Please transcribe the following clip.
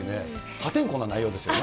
破天荒な内容ですよね。